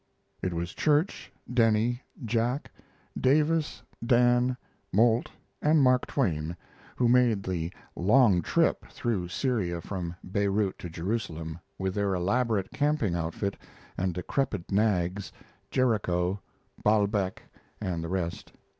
It was Church, Denny, Jack, Davis, Dan, Moult, and Mark Twain who made the "long trip" through Syria from Beirut to Jerusalem with their elaborate camping outfit and decrepit nags "Jericho," "Baalbec," and the rest.